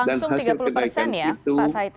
dan hasil kenaikan itu